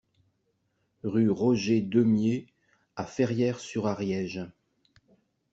Rue Roger Deumié à Ferrières-sur-Ariège